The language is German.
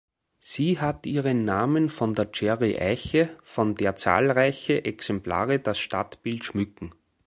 Sie hat ihren Namen von der Garry-Eiche, von der zahlreiche Exemplare das Stadtbild schmücken.